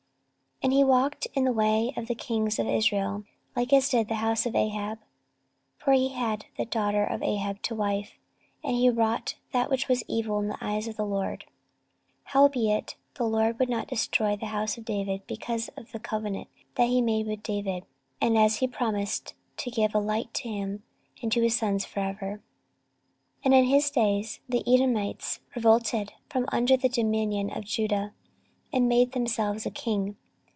14:021:006 And he walked in the way of the kings of Israel, like as did the house of Ahab: for he had the daughter of Ahab to wife: and he wrought that which was evil in the eyes of the LORD. 14:021:007 Howbeit the LORD would not destroy the house of David, because of the covenant that he had made with David, and as he promised to give a light to him and to his sons for ever. 14:021:008 In his days the Edomites revolted from under the dominion of Judah, and made themselves a king.